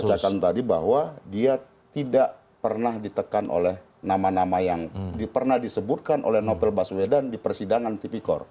saya katakan tadi bahwa dia tidak pernah ditekan oleh nama nama yang pernah disebutkan oleh novel baswedan di persidangan tipikor